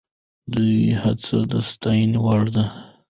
د ده هڅې د ستاینې وړ دي.